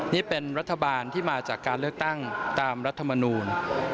นี่เป็นรัฐบาลที่มาจากการเลือกตั้งตามรัฐมนูล